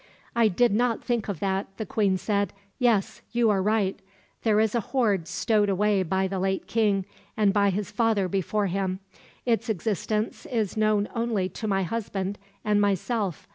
"I did not think of that," the queen said. "Yes, you are right. There is a hoard stowed away by the late king, and by his father before him. Its existence is only known to my husband and myself.